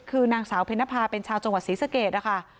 คือนางสาวเพนภาเป็นชาวจังหวัดศรีสะเกดนะคะ